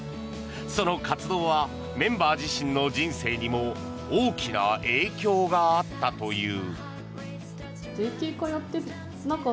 その活動はメンバー自身の人生にも大きな影響があったという。